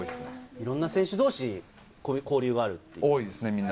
いろんな選手同士、交流があると。